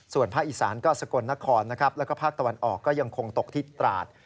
ส่วนภาคอีสานก็สกลนครและภาคตะวันออกก็ยังคงตกที่ตราส